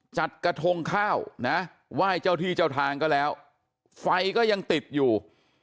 จัดกระทงข้าวนะไหว้เจ้าที่เจ้าทางก็แล้วไฟก็ยังติดอยู่